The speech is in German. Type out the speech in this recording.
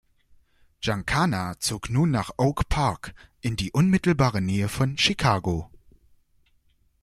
Giancana zog nun nach Oak Park in die unmittelbare Nähe von Chicago.